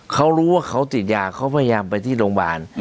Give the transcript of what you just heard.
เขารู้ว่าเขาติดยาเขาพยายามไปที่โรงพยาบาล